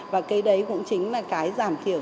và cái đấy cũng chính là cái giảm thiểu